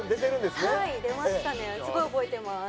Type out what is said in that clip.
すごい覚えてます。